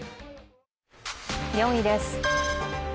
４位です。